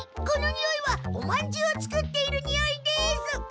このにおいはおまんじゅうを作っているにおいです。